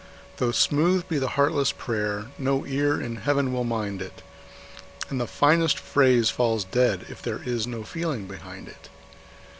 Though smooth be the heartless prayer, no ear in Heaven will mind it, And the finest phrase falls dead if there is no feeling behind it.